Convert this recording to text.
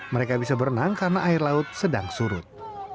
mereka bisa berenang karena air laut sedang surut